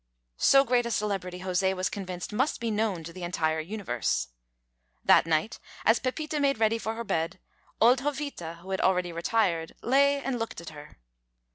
So great a celebrity José was convinced must be known to the entire universe. That night, as Pepita made ready for her bed, old Jovita, who had already retired, lay and looked at her.